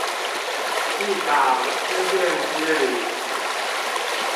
一場思辨之旅